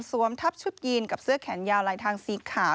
ทับชุดยีนกับเสื้อแขนยาวลายทางสีขาว